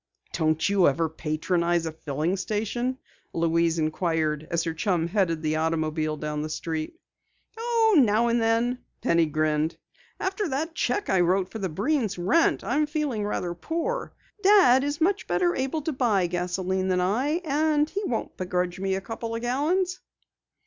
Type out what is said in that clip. "Don't you ever patronize a filling station?" Louise inquired as her chum headed the automobile down the street. "Oh, now and then," Penny grinned. "After that cheque I wrote for the Breens' rent, I'm feeling rather poor. Dad is much better able to buy gasoline than I, and he won't begrudge me a couple of gallons."